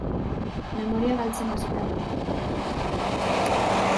Memoria galtzen hasita nago, baina.